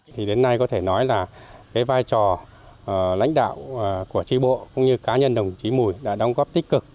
thì đến nay có thể nói là cái vai trò lãnh đạo của tri bộ cũng như cá nhân đồng chí mùi đã đóng góp tích cực